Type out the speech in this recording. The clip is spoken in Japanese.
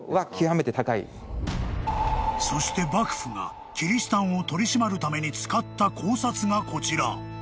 ［そして幕府がキリシタンを取り締まるために使った高札がこちら］